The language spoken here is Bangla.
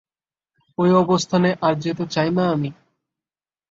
ওই অবস্থানে আর যেতে চাই না আমি।